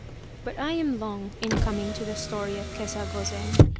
But I am long in coming to the story of Kesa Gozen.